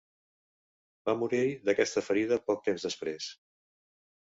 Va morir d'aquesta ferida poc temps després.